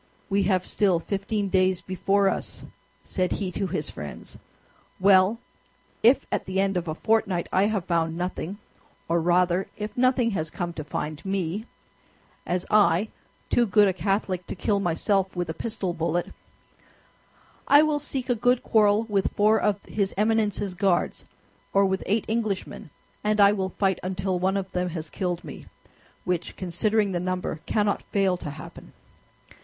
"We have still fifteen days before us," said he to his friends, "well, if at the end of a fortnight I have found nothing, or rather if nothing has come to find me, as I, too good a Catholic to kill myself with a pistol bullet, I will seek a good quarrel with four of his Eminence's Guards or with eight Englishmen, and I will fight until one of them has killed me, which, considering the number, cannot fail to happen.